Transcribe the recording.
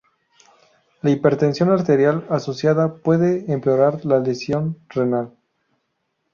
La hipertensión arterial asociada puede empeorar la lesión renal.